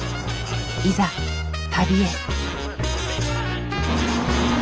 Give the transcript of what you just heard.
いざ旅へ。